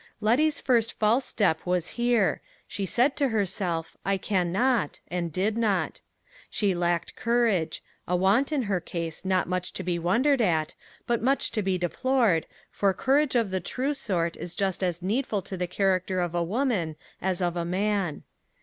Letty's first false step was here: she said to herself I can not, and did not. She lacked courage a want in her case not much to be wondered at, but much to be deplored, for courage of the true sort is just as needful to the character of a woman as of a man.